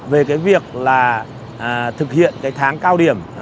về cái việc là thực hiện cái tháng cao điểm